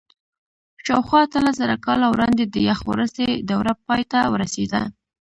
شاوخوا اتلسزره کاله وړاندې د یخ وروستۍ دوره پای ته ورسېده.